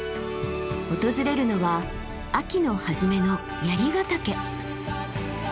訪れるのは秋の初めの槍ヶ岳。